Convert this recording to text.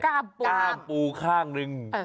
กล้ามปูข้างนึง